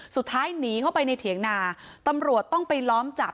สุดท้ายหนีเข้าไปในเถียงนาตำรวจต้องไปล้อมจับ